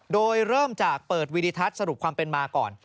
โดยเริ่มจากเปิดวีดิทัศน์สรุปความเป็นมาก่อน